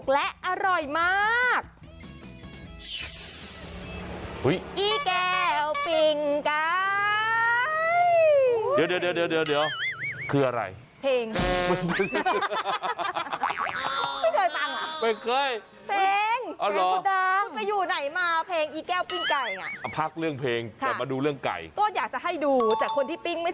เดียวคืออะไร